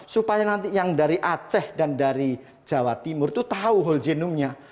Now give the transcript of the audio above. supaya nanti yang dari aceh dan dari jawa timur itu tahu whole genome nya